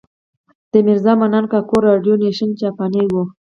د میرزا منان کاکو راډیو نېشن جاپانۍ وه.